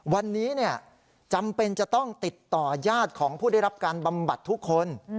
วันนี้จำเป็นจะต้องติดต่อยาดของผู้ได้รับการบำบัดทุกคน